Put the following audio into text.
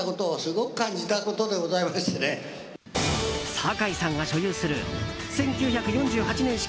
堺さんが所有する１９４８年式